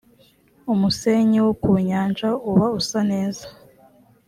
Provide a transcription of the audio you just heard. umusenyi wo ku nyanja uba usa neza